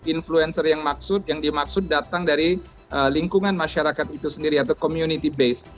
influencer yang dimaksud datang dari lingkungan masyarakat itu sendiri atau community base